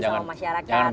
jangan jangan jangan baper